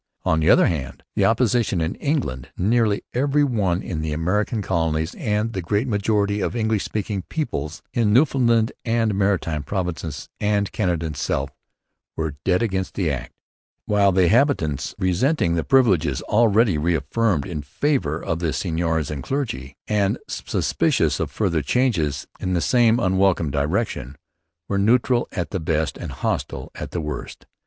On the other hand, the Opposition in England, nearly every one in the American colonies, and the great majority of English speaking people in Newfoundland, the Maritime Provinces, and Canada itself were dead against the Act; while the habitants, resenting the privileges already reaffirmed in favour of the seigneurs and clergy, and suspicious of further changes in the same unwelcome direction, were neutral at the best and hostile at the worst.